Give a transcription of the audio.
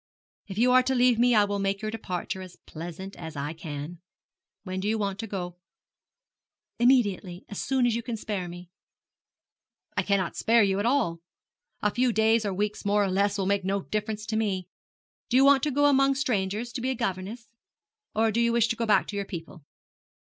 If you are to leave me I will make your departure as pleasant as I can. When do you want to go?' 'Immediately. As soon as you can spare me.' 'I cannot spare you at all; a few weeks or days more or less will make no difference to me. Do you want to go among strangers, to be a governess? or do you wish to go back to your people?'